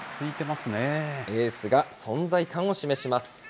エースが存在感を示します。